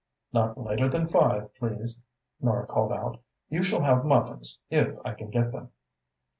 "Not later than five, please," Nora called out. "You shall have muffins, if I can get them."